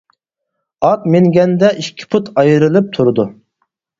ئات مىنگەندە ئىككى پۇت ئايرىلىپ تۇرىدۇ.